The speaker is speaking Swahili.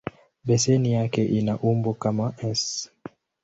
Beseni yake ina umbo kama "S".